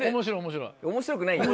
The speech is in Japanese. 面白くないよ。